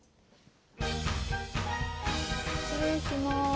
失礼します。